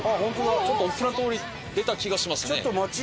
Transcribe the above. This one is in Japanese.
ちょっと大きな通り出た気がしますね。